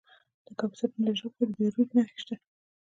د کاپیسا په نجراب کې د بیروج نښې شته.